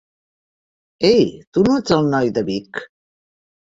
Ei, tu no ets el noi de Vic?